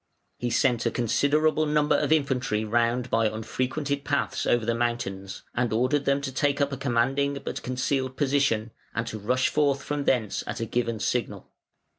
He sent a considerable number of infantry round by unfrequented paths over the mountains, and ordered them to take up a commanding but concealed position, and to rush forth from thence at a given signal.